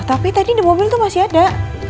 tapi tadi di mobil itu masih ada